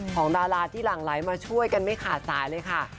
ดาราที่หลั่งไหลมาช่วยกันไม่ขาดสายเลยค่ะ